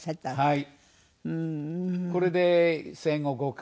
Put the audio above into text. はい。